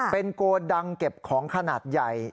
เป็นโกดังเก็บของขนาดใหญ่